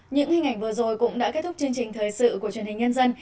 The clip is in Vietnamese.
những hình ảnh vừa rồi cũng đã kết thúc chương trình thời sự của truyền hình nhân dân